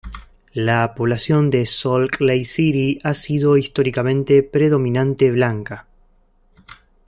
La población de Salt Lake City ha sido históricamente predominante blanca.